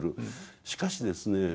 しかしですね